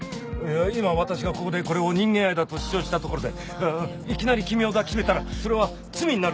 今私がここでこれを人間愛だと主張したところでいきなり君を抱きしめたらそれは罪になる可能性がある。